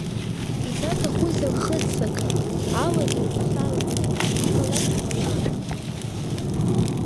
Изаҭахузеи ахыццакра, ауадаҩ аҽалаҵара, иҟалаша ҟалаанӡа.